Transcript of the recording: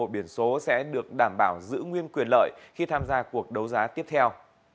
một biển số sẽ được đảm bảo giữ nguyên quyền lợi khi tham gia cuộc đấu giá tiếp theo